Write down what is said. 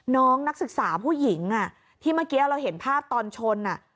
น้องนักศึกษาผู้หญิงที่เมื่อกี้เราเห็นภาพตอนชน